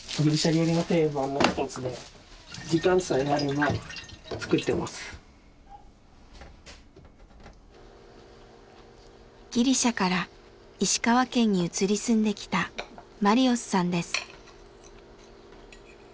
こういうギリシャから石川県に移り住んできたマリオスさんです。